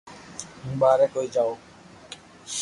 ھون ٻاري ڪوئي جاو